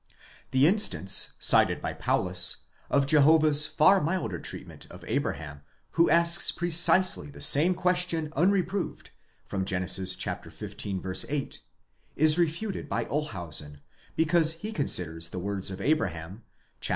The instance, cited by Paulus, of Jehovah's far milder treatment of Abraham, who asks precisely the same question unreproved, Gen. xv. 8, is refuted by Olshausen, because he considers the words of Abraham, chap.